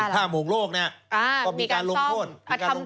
ท่ามงโลกก็มีการลงโทษไปแล้ว